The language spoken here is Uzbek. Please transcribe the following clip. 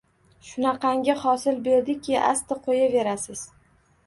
Shunaqangi hosil berdiki, asti qo‘yaverasiz.